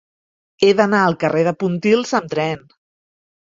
He d'anar al carrer de Pontils amb tren.